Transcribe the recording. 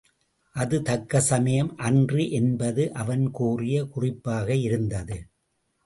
அது தக்க சமயம் அன்று என்பது அவன் கூறிய குறிப்பாக இருந்தது.